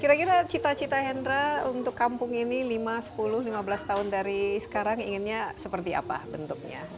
kira kira cita cita hendra untuk kampung ini lima sepuluh lima belas tahun dari sekarang inginnya seperti apa bentuknya